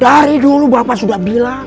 dari dulu bapak sudah bilang